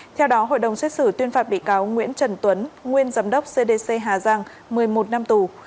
theo đó hội đồng xét xử tuyên phạt bị cáo nguyễn trần tuấn nguyên giám đốc cdc hà giang một mươi một năm tù